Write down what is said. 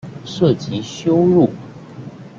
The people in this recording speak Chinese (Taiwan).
涉及羞辱